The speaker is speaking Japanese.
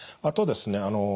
あとですね